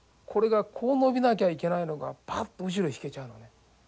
これがこう伸びなきゃいけないのがパッと後ろへ引けちゃうのね。